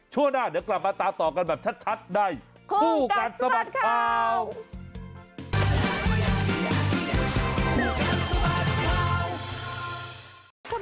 ชั่วหน้าเดี๋ยวกลับมาตาต่อกันแบบชัดได้คู่กันสวัสดิ์ครับ